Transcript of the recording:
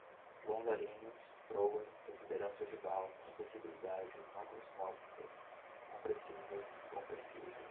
longarinas, proa, protuberância ogival, compressibilidade, macroscópica, compressível, incompressível